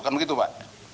kan begitu pak